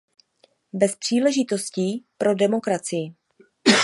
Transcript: Bez příležitostí pro demokracii.